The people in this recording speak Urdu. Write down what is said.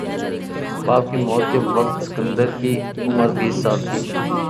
باپ کی موت کے وقت سکندر کی عمر بیس سال تھی